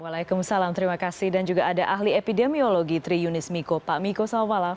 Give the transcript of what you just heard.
waalaikumsalam terima kasih dan juga ada ahli epidemiologi tri yunis miko pak miko selamat malam